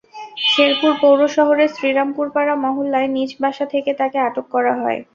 শেরপুর পৌর শহরের শ্রীরামপুরপাড়া মহল্লার নিজ বাসা থেকে তাঁকে আটক করা হয়।